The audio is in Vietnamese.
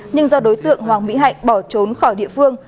nhưng do đối tượng hoàng mỹ hạnh bỏ trốn khỏi địa phương